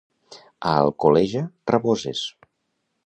A Alcoleja, raboses.